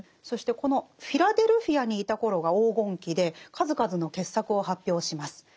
そしてこのフィラデルフィアにいた頃が黄金期で数々の傑作を発表します。